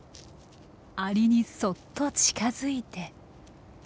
アリにそっと近づいて。